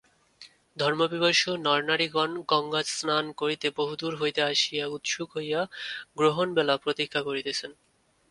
ধর্মপিপাসু নরনারীগণ গঙ্গাস্নান করিতে বহুদূর হইতে আসিয়া উৎসুক হইয়া গ্রহণবেলা প্রতীক্ষা করিতেছেন।